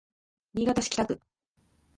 新潟市北区